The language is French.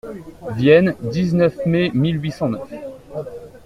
Vienne, dix-neuf mai mille huit cent neuf.